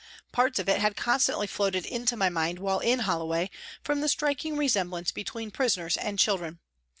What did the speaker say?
Parts of it had constantly floated into my mind while in Hollo way from the striking resemblance between prisoners and children.